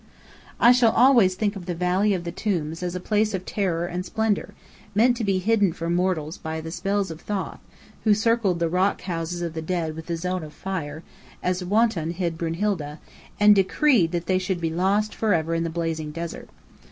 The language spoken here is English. I shall always think of the Valley of the Tombs as a place of terror and splendour, meant to be hidden from mortals by the spells of Thoth, who circled the rock houses of the dead with a zone of fire, as Wotan hid Brunhilda, and decreed that they should be lost forever in the blazing desert.